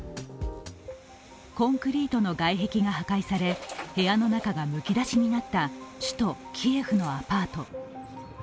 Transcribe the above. コンクリートの外壁が破壊され部屋の中がむき出しになった首都キエフのアパート。